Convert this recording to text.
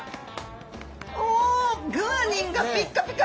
おグアニンがピッカピカ！